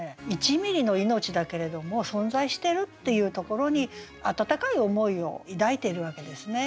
１ｍｍの命だけれども存在してるっていうところに温かい思いを抱いてるわけですね。